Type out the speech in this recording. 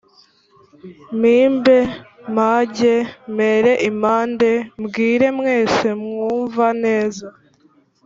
Mpimbe mpange mpere impande Mbwire mwese mwumva neza